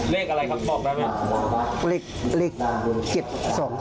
เลขอะไรคะบอกได้ไหม